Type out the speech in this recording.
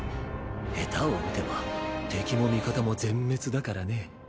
下手を打てば敵も味方も全滅だからね。